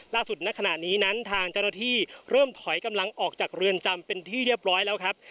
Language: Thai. ณขณะนี้นั้นทางเจ้าหน้าที่เริ่มถอยกำลังออกจากเรือนจำเป็นที่เรียบร้อยแล้วครับ